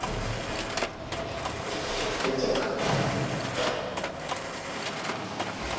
入っちゃおうかな。